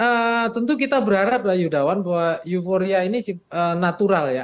ya tentu kita berharap lah yudawan bahwa euforia ini natural ya